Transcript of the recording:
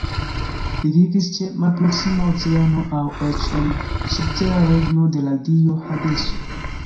Li vivis ĉe malproksima Oceano aŭ eĉ en subtera regno de la dio Hadeso.